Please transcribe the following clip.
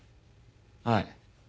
はい。